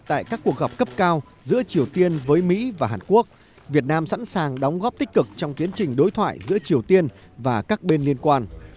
tại các cuộc gặp cấp cao giữa triều tiên với mỹ và hàn quốc việt nam sẵn sàng đóng góp tích cực trong tiến trình đối thoại giữa triều tiên và các bên liên quan